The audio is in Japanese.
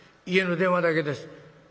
家の電話だけです。